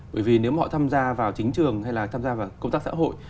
bởi vì nếu họ tham gia vào chính trường hay là tham gia vào công tác xã hội